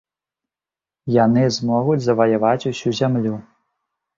Яны змогуць заваяваць усю зямлю.